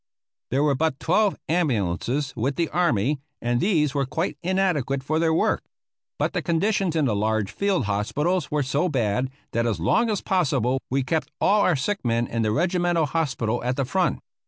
There were but twelve ambulances with the army, and these were quite inadequate for their work; but the conditions in the large field hospitals were so bad, that as long as possible we kept all of our sick men in the regimental hospital at the front.